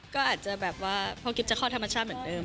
ก็อาจจะแบบว่าเพราะกิ๊บจะคลอดธรรมชาติเหมือนเดิม